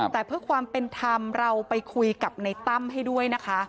แต่เพื่อความเป็นธรรมเราไปคุยกับในตั้มให้ด้วยนะคะ